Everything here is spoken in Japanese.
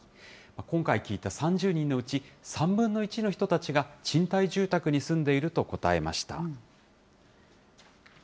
今回聞いた３０人のうち３分の１の人たちが、賃貸住宅に住んでいると答えました。